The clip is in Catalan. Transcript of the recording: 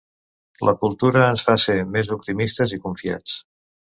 La cultura ens fa ser més optimistes i confiats.